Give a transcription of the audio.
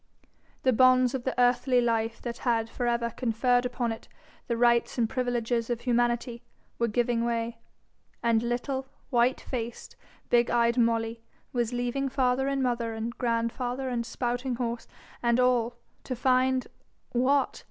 The bonds of the earthly life that had for ever conferred upon it the rights and privileges of humanity were giving way, and little, white faced, big eyed Molly was leaving father and mother and grandfather and spouting horse and all, to find what?